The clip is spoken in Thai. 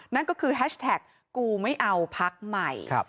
นั่นก็คือแฮชแท็กกูไม่เอาพักใหม่